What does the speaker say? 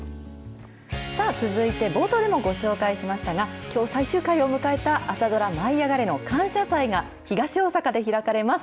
さあ、続いて、冒頭でもご紹介しましたが、きょう最終回を迎えた朝ドラ、舞いあがれ！の感謝祭が、東大阪で開かれます。